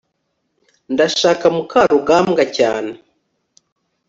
ndashaka mukarugambwa cyane